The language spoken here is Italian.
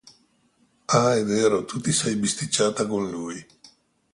Ah, è vero, tu ti sei bisticciata con lui.